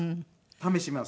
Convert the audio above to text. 試します。